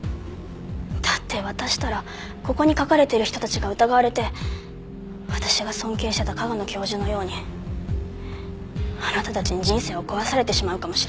だって渡したらここに書かれてる人たちが疑われて私が尊敬してた加賀野教授のようにあなたたちに人生を壊されてしまうかもしれないじゃない。